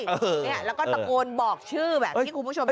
แล้วก็ตะโกนบอกชื่อแบบที่คุณผู้ชมเห็น